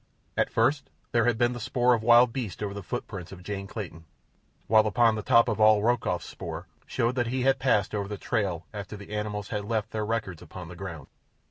At first there had been the spoor of wild beasts over the footprints of Jane Clayton, while upon the top of all Rokoff's spoor showed that he had passed over the trail after the animals had left their records upon the ground.